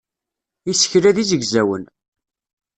Isekla d izegzawen.